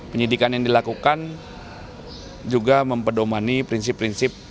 penyidikan yang dilakukan juga mempedomani prinsip prinsip